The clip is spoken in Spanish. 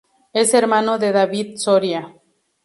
Es hermano de David Soria.